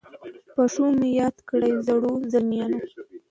په ښو مي یاد کړی زړو، زلمیانو